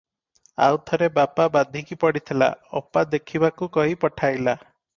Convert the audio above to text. ଆଉ ଥରେ ବାପା ବାଧିକି ପଡ଼ିଥିଲା, ଅପା ଦେଖିବାକୁ କହି ପଠାଇଲା ।